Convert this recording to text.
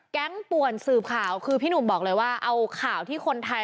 ป่วนสืบข่าวคือพี่หนุ่มบอกเลยว่าเอาข่าวที่คนไทย